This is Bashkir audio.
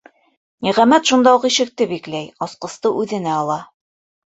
Ниғәмәт шунда уҡ ишекте бикләй, асҡысты үҙенә ала.